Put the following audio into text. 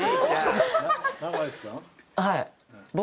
はい。